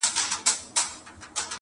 عبث دي راته له زلفو نه دام راوړ،